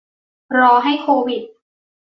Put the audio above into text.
รอให้โควิด